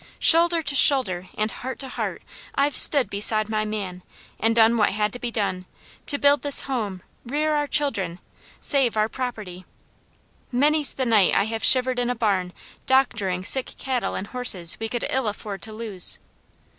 Shoulder to shoulder, and heart to heart, I've stood beside my man, and done what had to be done, to build this home, rear our children, save our property. Many's the night I have shivered in a barn doctoring sick cattle and horses we could ill afford to lose.